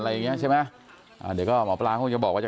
เดี๋ยวก็หมอปลาจะไป